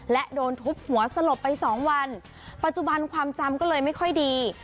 และโดนทุบหัวสลบไปสองวันปัจจุบันความจำก็เลยไม่ค่อยดี